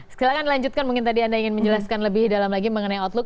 silahkan lanjutkan mungkin tadi anda ingin menjelaskan lebih dalam lagi mengenai outlook